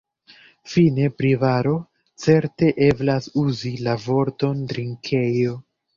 Fine pri baro: Certe eblas uzi la vorton drinkejo.